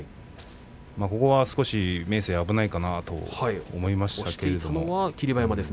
ここは少し明生が危ないかなと思いました。